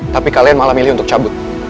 tapi kalian malah milih untuk cabut